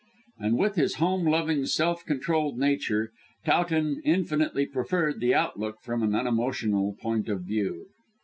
And with his home loving, self controlled nature, Towton infinitely preferred the outlook from an unemotional point of view.